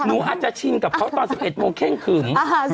หนูอาจจะชินกับเขาตอน๑๑โมงเข้งขึง